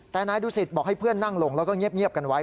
แต่นายดูสิตบอกให้เพื่อนนั่งลงแล้วก็เงียบกันไว้